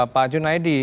pak jun laidi